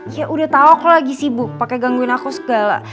ya udah tau kok lagi sibuk pakai gangguin aku segala